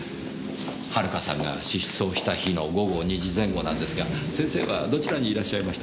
遥さんが失踪した日の午後２時前後なんですが先生はどちらにいらっしゃいましたか？